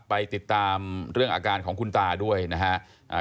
ไปติดตามเรื่องอาการของคุณตาด้วยนะครับ